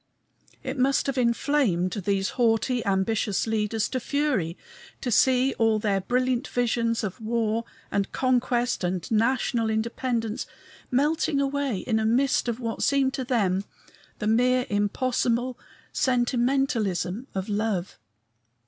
It must have inflamed these haughty, ambitious leaders to fury to see all their brilliant visions of war and conquest and national independence melting away in a mist of what seemed to them the mere impossible sentimentalism of love.